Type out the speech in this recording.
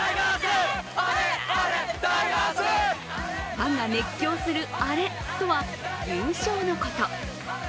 ファンが熱狂するアレとは、優勝のこと。